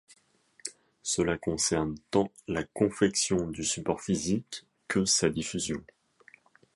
Cela concerne tant la confection du support physique, que sa diffusion.